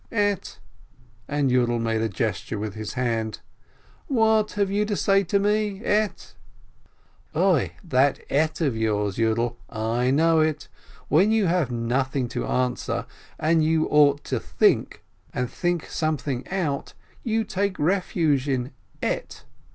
"Ett!" and Yiidel made a gesture with his hand. "What you have to say to me ?— ett !" "Oi, that 'ett!' of yours! Yiidel, I know it! When you have nothing to answer, and you ought to think, and think something out, you take refuge in 'ett!'